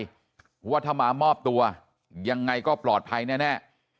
ว่าถ้ามามอบตัวยังไงก็ปลอดภัยแน่